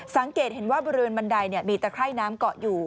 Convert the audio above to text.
สังเกตเห็นว่าบริเวณบันไดเนี่ยมีแต่ไข้น้ำเกาะอยู่